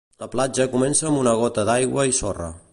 La platja comença amb una gota d'aigua i sorra